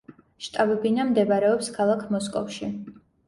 შტაბ-ბინა მდებარეობს ქალაქ მოსკოვში.